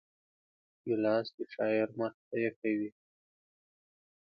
ګیلاس د شاعر مخې ته ایښی وي.